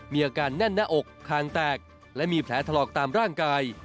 มีอาการแน่นหน้าอกคางแตกและมีแผลถลอกตามร่างกาย